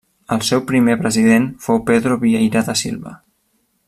El seu primer president fou Pedro Vieira da Silva.